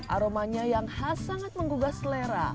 aromanya yang khas sangat menggugah selera